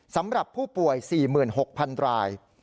สำหรับผู้ป่วย๔๖๐๐๐ราย